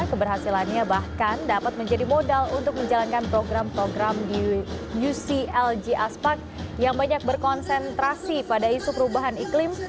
keberhasilannya bahkan dapat menjadi modal untuk menjalankan program program di uclg aspek yang banyak berkonsentrasi pada isu perubahan iklim